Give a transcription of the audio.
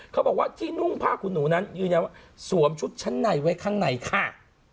เขาบอกว่าที่นุ่งผ้าขุนหนูนั้นยืนยันว่าสวมชุดชั้นในไว้ข้างในค่ะ